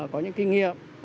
có những kinh nghiệm